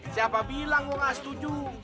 siapa bilang mau gak setuju